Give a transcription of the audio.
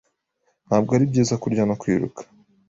Ntabwo ari byiza kurya no kwiruka.